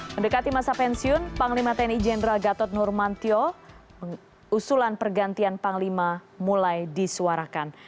mendekati masa pensiun panglima tni jenderal gatot nurmantio usulan pergantian panglima mulai disuarakan